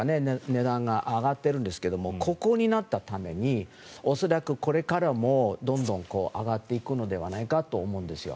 値段が上がっているんですけど国王になったために恐らくこれからもどんどん上がっていくのではないかと思うんですよ。